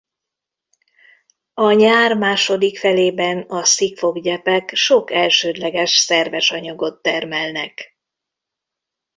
A nyár második felében a szikfok-gyepek sok elsődleges szerves anyagot termelnek.